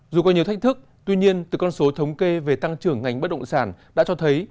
dù có nhiều thách thức tuy nhiên từ con số thống kê về tăng trưởng ngành bất động sản đã cho thấy